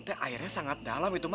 teh airnya sangat dalam itu mah